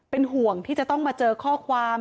เป็นห่วงที่จะต้องมาเจอข้อความ